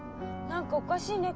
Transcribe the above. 何かおかしいね